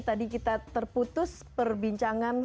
tadi kita terputus perbincangan